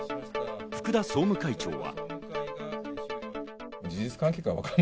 福田総務会長は。